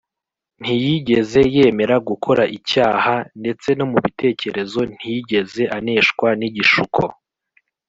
. Ntiyigeze yemera gukora icyaha. Ndetse no mu bitekerezo ntiyigeze aneshwa n’igishuko